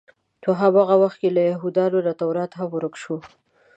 په هماغه وخت کې له یهودانو نه تورات هم ورک شو.